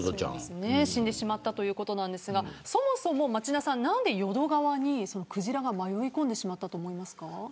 死んでしまったということなんですがそもそも町田さん、何で淀川にクジラが迷い込んでしまったと思いますか。